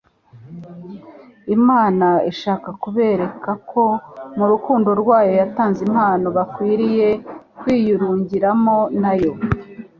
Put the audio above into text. Imana ishaka kubereka ko mu rukundo rwayo yatanze impano bakwmiye kwiyurugiramo nayo.